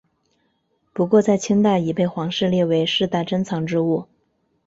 不过在清代已被皇室列为世代珍藏之物。